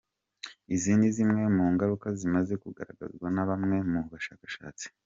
Izi ni zimwe mu ngaruka zimaze kugaragazwa na bamwe mu bashakashatsi.